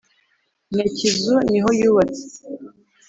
Nyakizu nihoyubatse.